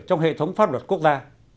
trong hệ thống pháp luật quốc gia